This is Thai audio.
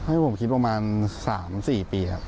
ให้ผมคิดประมาณ๓๔ปี